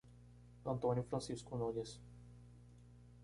Antônio Francisco Nunes